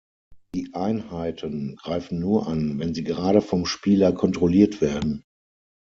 Die Einheiten greifen nur an, wenn sie gerade vom Spieler kontrolliert werden.